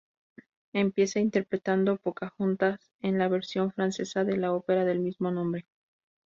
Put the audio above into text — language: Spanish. Empieza interpretando Pocahontas en la versión francesa de la ópera del mismo nombre.